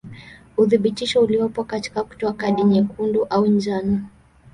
Uthibitisho uliopo katika kutoa kadi nyekundu au ya njano.